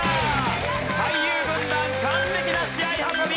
俳優軍団完璧な試合運び！